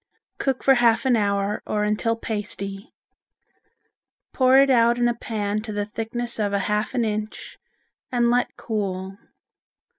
Cook for half an hour or until pasty. Pour it out in a pan to the thickness of half an inch and let cool.